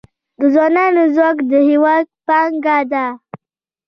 د ځوانانو ځواک د هیواد پانګه ده